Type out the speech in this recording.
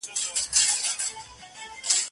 یو یار دي زه یم نور دي څو نیولي دینه